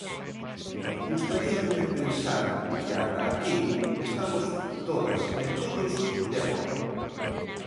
Gustaríame pensar que ata aquí estamos todas e todos de acordo.